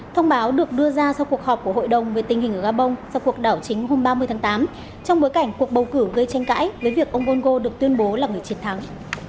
thông báo được đưa ra sau cuộc họp của hội đồng về tình hình ở gabon sau cuộc đảo chính hôm ba mươi tháng tám trong bối cảnh cuộc bầu cử gây tranh cãi với việc ông bongo được tuyên bố là người chiến thắng